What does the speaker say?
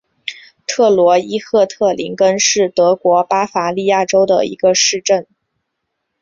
特罗伊赫特林根是德国巴伐利亚州的一个市镇。